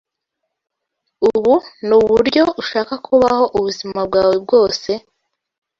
Ubu nuburyo ushaka kubaho ubuzima bwawe bwose?